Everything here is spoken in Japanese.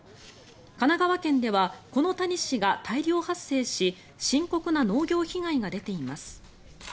神奈川県ではこのタニシが大量発生し深刻な農業被害が出ています。